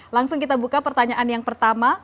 langsung kita buka pertanyaan yang pertama